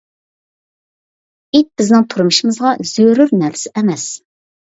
ئىت بىزنىڭ تۇرمۇشىمىزغا زۆرۈر نەرسە ئەمەس.